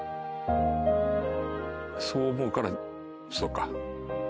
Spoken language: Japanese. そう思うからそうか。